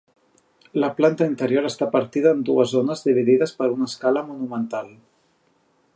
La planta interior està partida en dues zones dividides per una escala monumental.